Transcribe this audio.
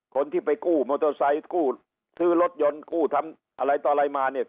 คนที่ไปกู้มอเตอร์ไซค์กู้ซื้อรถยนต์กู้ทำอะไรต่ออะไรมาเนี่ย